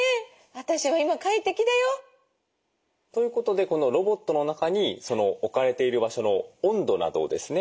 私は今快適だよ。ということでこのロボットの中に置かれている場所の温度などをですね